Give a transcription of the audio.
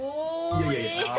いやいやいや。